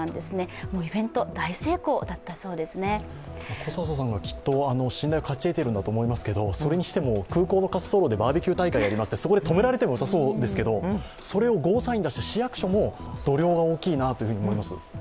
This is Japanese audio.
小笹さんがきっと信頼を勝ち得ているんだと思いますけどそれにしても空港の滑走路でバーベキュー大会をするって、そこで止められてもよさそうですけど、それにゴーサインを出した市役所も度量が大きいなと思います。